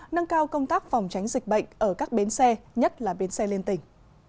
nâng cao công tác phòng tránh dịch bệnh ở các bến xe nhất là bến xe liên tỉnh